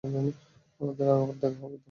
আমাদের আবার দেখা হবে তো?